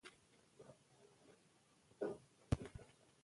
نو ځکه د دوي څېرې له فقر، غربت ، بېوسي، څخه حکايت کوي.